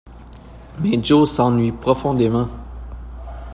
Mais Joe s’ennuie profondément.